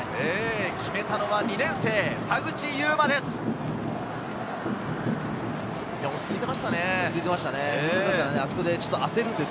決めたのは２年生の田口裕真です。